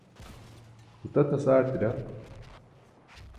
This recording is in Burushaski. gutatas aartira